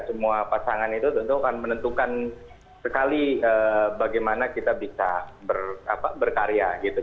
semua pasangan itu tentu akan menentukan sekali bagaimana kita bisa berkarya gitu